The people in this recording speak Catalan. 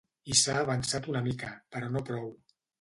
I s’ha avançat una mica, però no prou.